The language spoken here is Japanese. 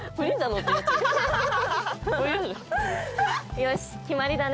よし決まりだね。